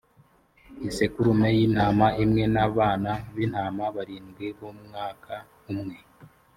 isekurume y’intama imwe, n’abana b’intama barindwi b’umwaka umwe;